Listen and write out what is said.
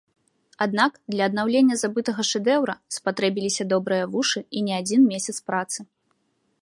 Аднак для аднаўлення забытага шэдэўра спатрэбіліся добрыя вушы і не адзін месяц працы.